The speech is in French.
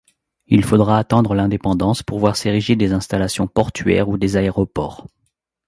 Il faudra attendre l'indépendance pour voir s'ériger des installations portuaires ou des aéroports.